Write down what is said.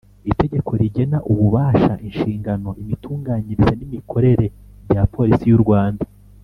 Itegeko rigena ububasha inshingano imitunganyirize n imikorere bya Polisi y u Rwanda